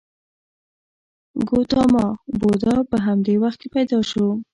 ګوتاما بودا په همدې وخت کې پیدا شو.